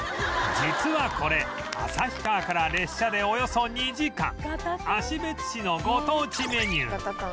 実はこれ旭川から列車でおよそ２時間芦別市のご当地メニュー